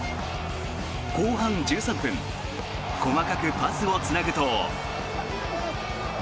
後半１３分細かくパスをつなぐと。